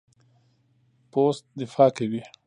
پوست دفاع کوي.